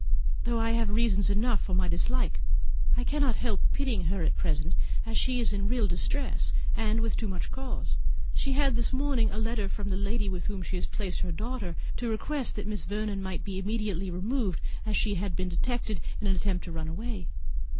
though I have reasons enough for my dislike, I cannot help pitying her at present, as she is in real distress, and with too much cause. She had this morning a letter from the lady with whom she has placed her daughter, to request that Miss Vernon might be immediately removed, as she had been detected in an attempt to run away.